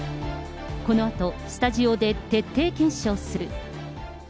このあと、スタジオで徹底検証する。